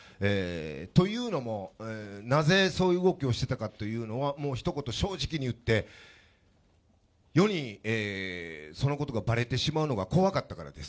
というのも、なぜそういう動きをしてたかっていうのは、もうひと言、正直に言って、世にそのことがばれてしまうのが怖かったからです。